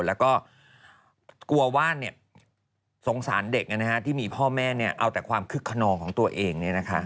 แล้วก็กลัวว่าสงสารเด็กที่มีพ่อแม่เอาแต่ความคึกขนองของตัวเอง